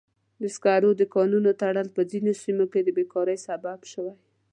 د سکرو د کانونو تړل په ځینو سیمو کې د بیکارۍ سبب شوی.